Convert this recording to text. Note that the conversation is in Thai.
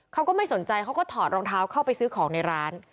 เขาก็ไม่สนใจเขาก็ถอดรองเท้าเข้าไปซื้อของในร้าน